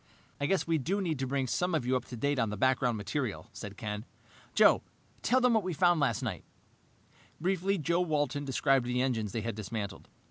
"I guess we do need to bring some of you up to date on the background material," said Ken. "Joe, tell them what we found last night." Briefly, Joe Walton described the engines they had dismantled.